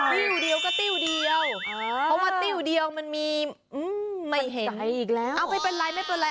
ติ้วเดียวก็ติ้วเดียวเพราะว่าติ้วเดียวมันมีไม่เห็นใจอีกแล้วเอาไม่เป็นไรไม่เป็นไร